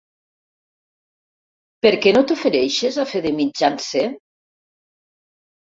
Per què no t'ofereixes a fer de mitjancer?